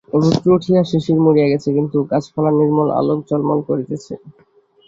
রৌদ্র উঠিয়া শিশির মরিয়া গেছে, কিন্তু গাছপালা নির্মল আলোকে ঝলমল করিতেছে।